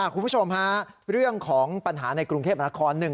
คุณผู้ชมฮะเรื่องของปัญหาในกรุงเทพนคร